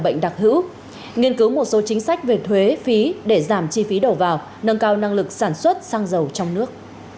nghiên cứu một số chính sách về thuế phí để giảm chi phí đổ vào nâng cao năng lực sản xuất xăng dầu trong nước